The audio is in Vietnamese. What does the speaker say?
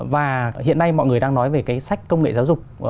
và hiện nay mọi người đang nói về cái sách công nghệ giáo dục